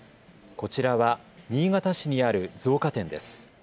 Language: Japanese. こちらは新潟市にある造花店です。